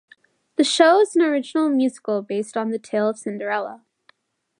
The show is an original musical based on the tale of Cinderella.